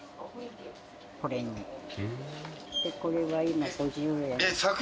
でこれは今５０円。